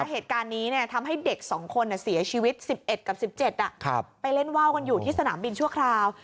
เหตุการณ์นี้ทำให้เด็ก๒คนเสียชีวิต๑๑กับ๑๗ไปเล่นว่าวกันอยู่ที่สนามบินชั่วคราว